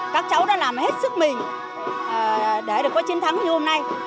các cháu đã làm hết sức mình để được có chiến thắng như hôm nay